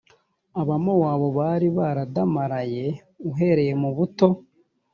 abamowabu bari baradamaraye uhereye mu buto